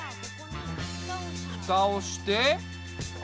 ふたをして。